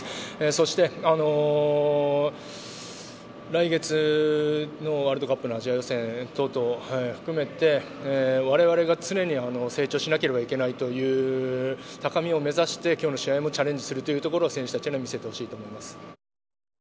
そして、来月のワールドカップのアジア予選等々を含めて我々が常に成長しなければいけないという高見を目指して、今日の試合もチャレンジするというところを選手たちには見せてほしいです。